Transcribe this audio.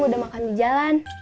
udah makan di jalan